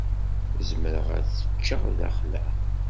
Zemreɣ ad t-ččeɣ daxel-a.